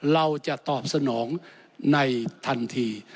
เราจะตอบสนองในทันที